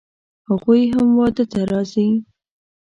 هغوی هم واده ته راځي